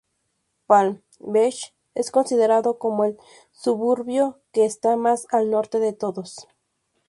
Palm Beach es considerado como el suburbio que está más al norte de todos.